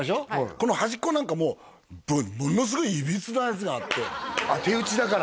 この端っこなんかもうものすごいいびつなやつがあってあっ手打ちだから？